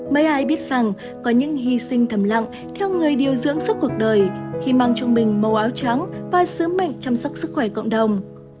mấy ai biết rằng có những hy sinh thầm lặng theo người điều dưỡng suốt cuộc đời khi mang trong mình màu áo trắng và sứ mệnh chăm sóc sức khỏe cộng đồng